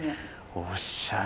おっしゃれ！